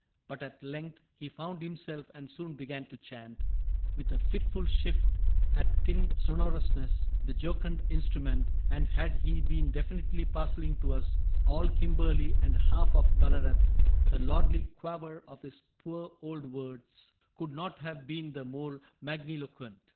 But at length 56 CAPTAIN CRAIG He found himself and soon began to chant, With a fitful shift at thin sonorousness The jocund instrument ; and had he been Definitively parceling to us All Kimberly and half of Ballarat, The lordly quaver of his poor old words Could not have been the more magniloquent.